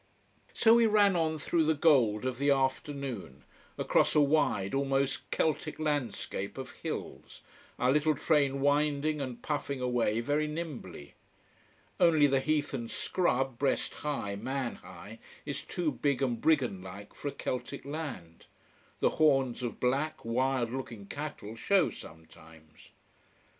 So we ran on through the gold of the afternoon, across a wide, almost Celtic landscape of hills, our little train winding and puffing away very nimbly. Only the heath and scrub, breast high, man high, is too big and brigand like for a Celtic land. The horns of black, wild looking cattle show sometimes.